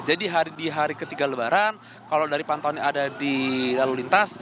jadi di hari ketiga lebaran kalau dari pantauan yang ada di lalu lintas